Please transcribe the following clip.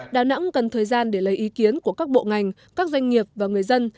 đà nẵng cần thời gian để lấy ý kiến của các bộ ngành các doanh nghiệp và người dân